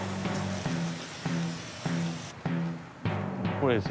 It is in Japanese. これです。